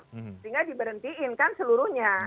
sehingga diberhentiin kan seluruhnya